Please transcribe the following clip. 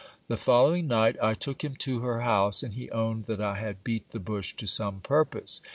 The following night I took him to her house, and he owned that I had beat the bush to some purpose.